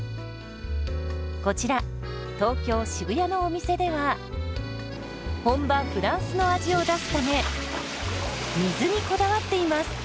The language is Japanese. こちら東京・渋谷のお店では本場フランスの味を出すため水にこだわっています。